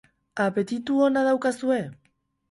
Apetitu ona daukazue?